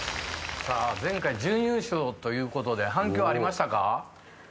前回準優勝ということで反響ありましたか？